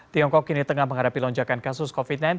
tiongkok kini tengah menghadapi lonjakan kasus covid sembilan belas